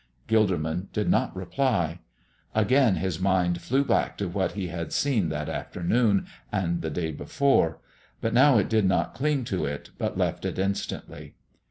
Gilderman did not reply; again his mind flew back to what he had seen that afternoon and the day before, but now it did not cling to it but left it instantly.